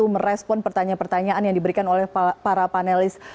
merespon pertanyaan pertanyaan yang diberikan oleh para panelis